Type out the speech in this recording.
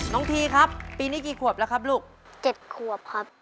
ทีครับปีนี้กี่ขวบแล้วครับลูก๗ขวบครับ